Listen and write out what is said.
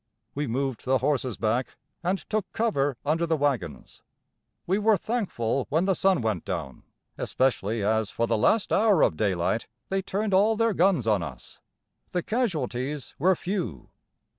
We moved the horses back, and took cover under the wagons. We were thankful when the sun went down, especially as for the last hour of daylight they turned all their guns on us. The casualties were few.